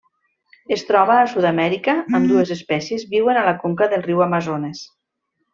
Es troba a Sud-amèrica: ambdues espècies viuen a la conca del riu Amazones.